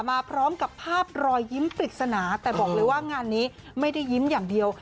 มาพร้อมกับภาพรอยยิ้มปริศนาแต่บอกเลยว่างานนี้ไม่ได้ยิ้มอย่างเดียว